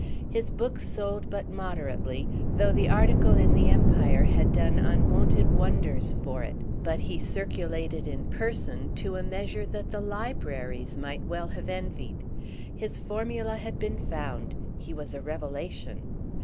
His book sold but moderately, though the article in The Empire had done unwonted wonders for it; but he circulated in person to a measure that the libraries might well have envied. His formula had been found—he was a "revelation."